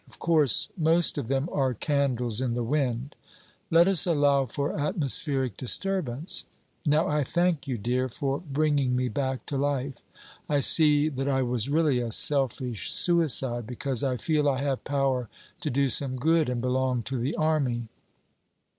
Of course, most of them are candles in the wind. Let us allow for atmospheric disturbance. Now I thank you, dear, for bringing me back to life. I see that I was really a selfish suicide, because I feel I have power to do some good, and belong to the army.